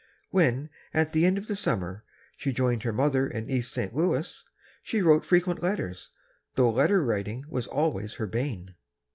When, at the end of the summer, she joined her mother in East St. Louis, she wrote frequent letters, though letter writing was always her bane.